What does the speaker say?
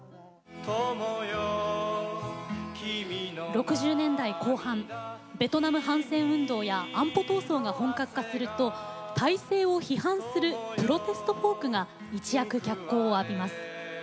６０年代後半ベトナム反戦運動や安保闘争が本格化すると体制を批判するプロテストフォークが一躍、脚光を浴びます。